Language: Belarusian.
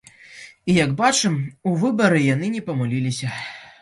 І як бачым, у выбары яны не памыліліся.